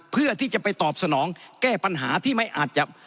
เพื่อที่จะไปตอบสนองแก้ปัญหาที่ไม่อาจจะ